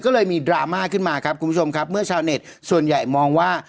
ก็เลยมีดราม่าขึ้นมาครับคุณผู้ชมครับเมื่อชาวเน็ตส่วนใหญ่มองว่า